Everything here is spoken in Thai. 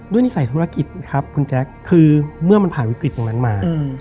ด้วยนิสัยธุรกิจคือเมื่อมันผ่านวิกฤตตรงนั้นมา